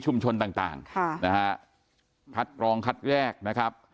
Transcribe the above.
ชุมชนต่างคัดกรองคัดแรกนะครับ